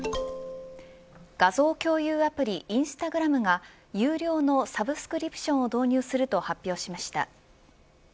画像共有アプリインスタグラムが有料のサブスクリプションを導入すると発表しました。